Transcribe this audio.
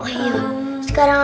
oh iya sekarang